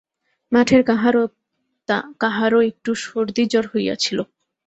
মঠের কাহারও কাহারও একটু সর্দিজ্বর হইয়াছিল।